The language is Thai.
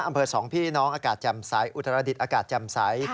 อำเภอ๒พี่น้องอากาศจำใสอุตรศาสตร์อากาศจำใส